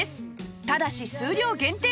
ただし数量限定です